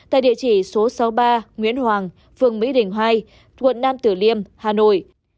tại địa chỉ số sáu mươi ba nguyễn hoàng phường mỹ đình hai quận nam tử liêm hà nội